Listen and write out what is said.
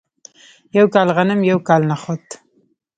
یو کال غنم یو کال نخود.